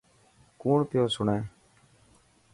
ڪونڻ پيو سڻي.